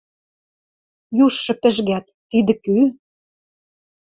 Южшы пӹжгӓт: «Тидӹ кӱ?»